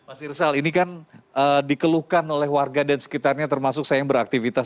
mas irsal ini kan dikeluhkan oleh warga dan sekitarnya termasuk saya yang beraktivitas